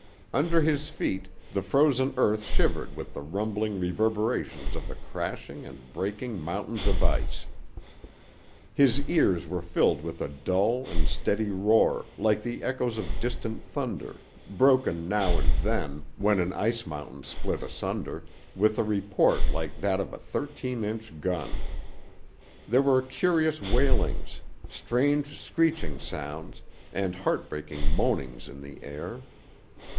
Under his feet the frozen earth shivered with the rumbling reverberations of the crashing and breaking mountains of ice. His ears were filled with a dull and steady roar, like the echoes of distant thunder, broken now and then when an ice mountain split asunder with a report like that of a thirteen inch gun. There were curious wailings, strange screeching sounds, and heartbreaking moanings in the air.